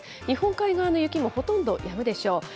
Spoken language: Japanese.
日本海側の雪もほとんどやむでしょう。